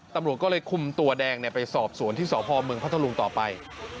ตำรวจก็เลยคุมตัวแดงเนี่ยไปสอบสวนที่สอบภอมเมืองพระทะลุงต่อไป